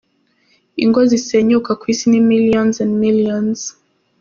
Ingo zisenyuka ku isi ni millions and millions.